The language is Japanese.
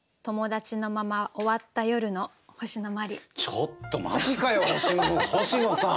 ちょっとマジかよ星野さん！